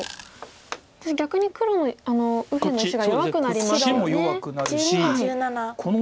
逆に黒の右辺の石が弱くなりますよね。